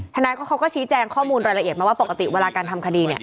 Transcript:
เขาก็ชี้แจงข้อมูลรายละเอียดมาว่าปกติเวลาการทำคดี